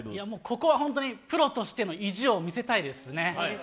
ここはプロとしての意地を見せたいですね。